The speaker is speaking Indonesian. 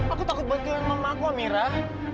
aku takut bantuin mamah aku aminah